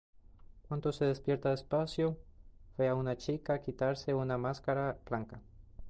Cuando se despierta despacio, ve a una chica quitarse una máscara blanca.